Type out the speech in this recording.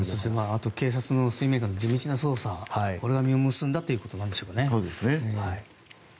あとは、警察の水面下の地道な捜査が実を結んだということですかね。